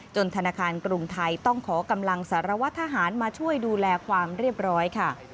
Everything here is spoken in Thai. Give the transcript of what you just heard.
ธนาคารกรุงไทยต้องขอกำลังสารวัตรทหารมาช่วยดูแลความเรียบร้อยค่ะ